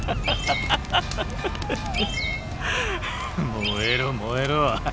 ・燃えろ燃えろ。